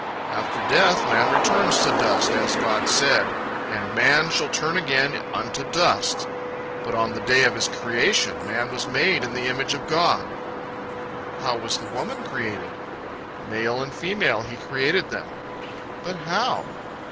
"—"After death man returns to dust, as God said, 'And man shall turn again unto dust;' but on the day of his creation, man was made in the image of God."—"How was the woman created?"—"Male and female He created them."—"But how?"